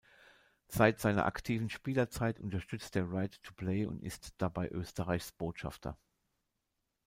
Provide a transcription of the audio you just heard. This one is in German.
Seit seiner aktiven Spielerzeit unterstützt er Right To Play und ist dabei Österreichs Botschafter.